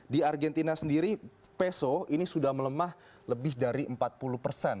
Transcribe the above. di argentina sendiri peso ini sudah melemah lebih dari empat puluh persen